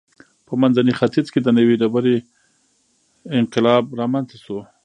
په منځني ختیځ کې د نوې ډبرې انقلاب رامنځته شو.